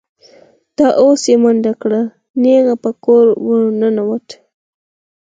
دا اوس یې منډه کړه، نېغ په کور ور ننوت.